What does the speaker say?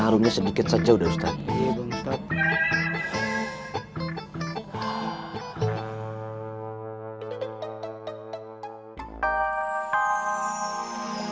taruhnya sedikit saja sudah ustadz